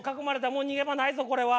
もう逃げ場ないぞこれは。